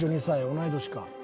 同い年か。